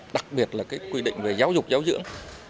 đặc biệt là quy định về giáo dục giáo dưỡng